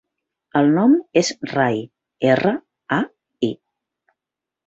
El nom és Rai: erra, a, i.